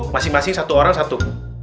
masing masing satu orang satu